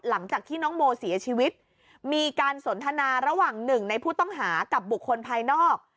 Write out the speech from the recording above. หลังจากที่น้องโมเสียชีวิตมีการสนทนาระหว่างหนึ่งในผู้ต้องหากับบุคคลภายนอก